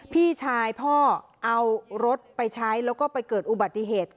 พี่ชายพ่อเอารถไปใช้แล้วก็ไปเกิดอุบัติเหตุ